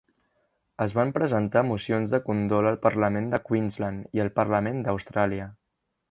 Es van presentar mocions de condol al Parlament de Queensland i al Parlament d'Austràlia.